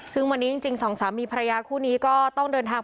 ซึ่งวันนี้จริงสองสามีภรรยาคู่นี้ก็ต้องเดินทาง